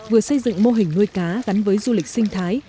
vừa xây dựng mô hình nuôi cá gắn với du lịch sinh thái